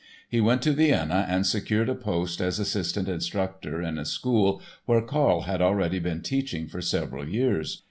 He went to Vienna and secured a post as assistant instructor in a school where Karl had already been teaching for several years.